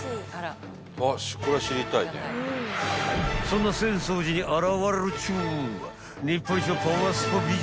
［そんな浅草寺に現れるっちゅう］